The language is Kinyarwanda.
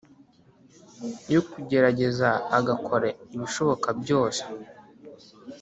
yo kugerageza agakora ibishoboka byose